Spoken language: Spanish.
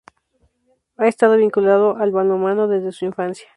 Ha estado vinculado al balonmano desde su infancia.